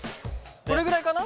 これぐらいかな。